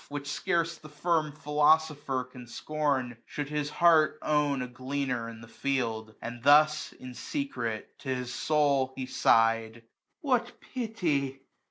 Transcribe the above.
Which scarce the firm philosopher can scorn. Should his heart own a gleaner in the field j 235 And thus in secret to his soul he sigh'd :What pity